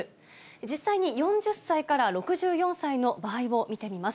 実際に４０歳から６４歳の場合を見てみます。